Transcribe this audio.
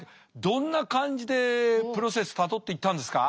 どんな感じでプロセスたどっていったんですか？